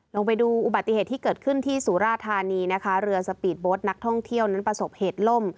ลงไปดูอุบัติเหตุที่เกิดขึ้นที่สุราธานีนะคะเรือสปีดโบ๊ทนักท่องเที่ยวนั้นประสบเหตุล่ม